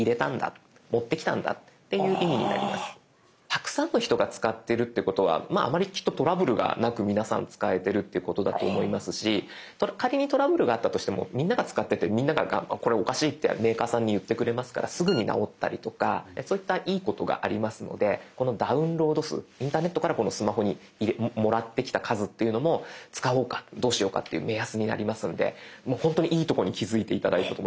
たくさんの人が使ってるっていうことはあまりきっとトラブルがなく皆さん使えてるっていうことだと思いますし仮にトラブルがあったとしてもみんなが使っててみんながこれおかしいってメーカーさんに言ってくれますからすぐに直ったりとかそういったいいことがありますのでこのダウンロード数インターネットからこのスマホにもらってきた数というのも使おうかどうしようかっていう目安になりますので本当にいいとこに気付いて頂いたと思います。